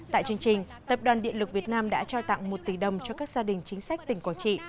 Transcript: tại chương trình tập đoàn điện lực việt nam đã trao tặng một tỷ đồng cho các gia đình chính sách tỉnh quảng trị